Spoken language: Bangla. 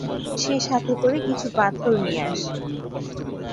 সে সাথে করে কিছু পাথর নিয়ে আসে।